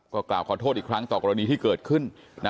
ก็กล่าวขอโทษอีกครั้งต่อกรณีที่เกิดขึ้น